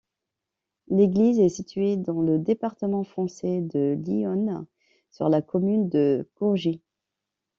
L'église est située dans le département français de l'Yonne, sur la commune de Courgis.